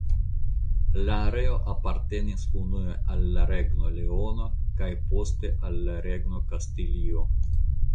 La areo apartenis unue al la Regno Leono kaj poste al la Regno Kastilio.